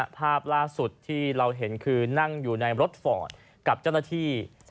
ภาพล่าสุดที่เราเห็นคือนั่งอยู่ในรถฟอร์ดกับเจ้าหน้าที่